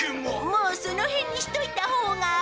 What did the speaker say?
もうその辺にしといたほうが。